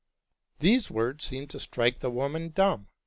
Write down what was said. These words seemed to strike the woman dumb.